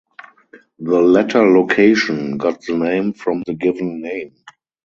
The latter location got the name from the given name.